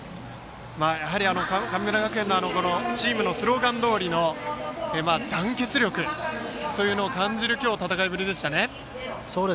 やはり神村学園のチームのスローガンどおりの団結力というのを感じる戦いぶりでしたね。